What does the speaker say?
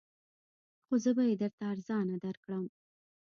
خو زه به یې درته ارزانه درکړم